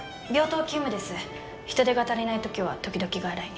人手が足りない時は時々外来に。